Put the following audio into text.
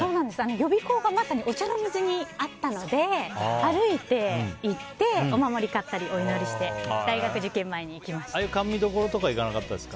予備校がまさにお茶の水にあったので歩いて行ってお守りを買ったりお祈りしてああいう甘味どころは行かなかったですか？